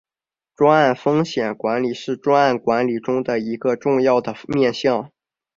专案风险管理是专案管理中一个重要的面向。